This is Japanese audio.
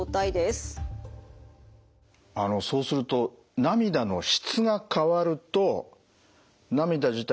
あのそうすると涙の質が変わると涙自体